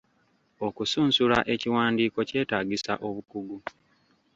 Okusunsula ekiwandiiko kyetaagisa obukugu.